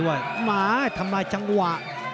หมาทำลายจังหวะ